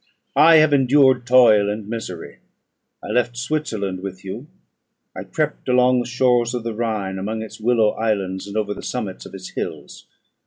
I have endured toil and misery: I left Switzerland with you; I crept along the shores of the Rhine, among its willow islands, and over the summits of its hills.